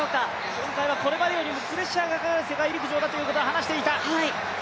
今回はこれまでよりもプレッシャーのかかる世界陸上だと話していた。